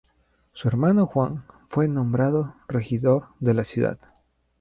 Su hermano Juan fue nombrado regidor de la ciudad.